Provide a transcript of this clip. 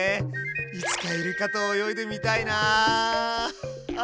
いつかイルカと泳いでみたいな。